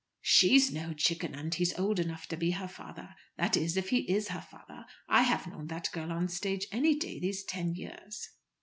"She's no chicken, and he's old enough to be her father. That is, if he is her father. I have known that girl on the stage any day these ten years."